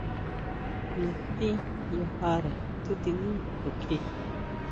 Natí yajare tsutindí xukjí.